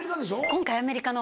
今回アメリカの。